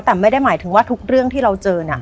แต่ไม่ได้หมายถึงว่าทุกเรื่องที่เราเจอน่ะ